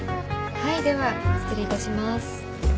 はいでは失礼いたします。